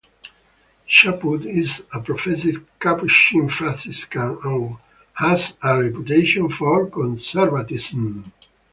Chaput is a professed Capuchin Franciscan and has a reputation for conservatism.